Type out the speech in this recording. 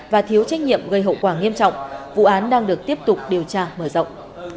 và thiếu trách nhiệm gây hậu quả nghiêm trọng vụ án đang được tiếp tục điều tra mở rộng